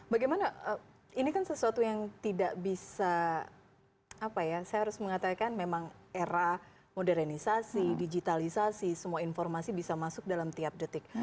bagaimana ini kan sesuatu yang tidak bisa apa ya saya harus mengatakan memang era modernisasi digitalisasi semua informasi bisa masuk dalam tiap detik